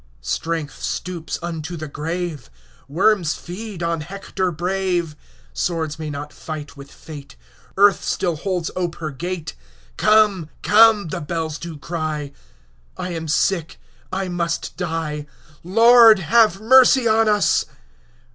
Strength stoops unto the grave, Worms feed on Hector brave; Swords may not fight with fate; Earth still holds ope her gate; 25 Come, come! the bells do cry; I am sick, I must die— Lord, have mercy on us!